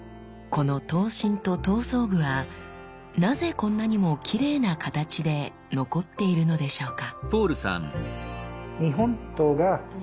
この刀身と刀装具はなぜこんなにもきれいな形で残っているのでしょうか？